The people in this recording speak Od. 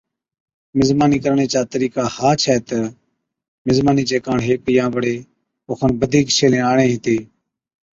مزمانِي ڪرڻي چا طرِيقا ها ڇَي تہ مزمانِي چي ڪاڻ ھيڪ يا بڙي اوکن بڌِيڪ ڇيلي آڻي ھِتين